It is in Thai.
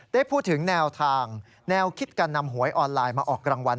ได้พูดถึงแนวทางแนวคิดการนำหวยออนไลน์มาออกรางวัล